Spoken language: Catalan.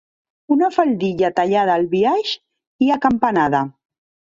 Una faldilla tallada al biaix i acampanada.